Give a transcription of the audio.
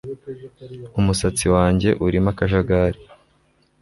Umusatsi wanjye urimo akajagari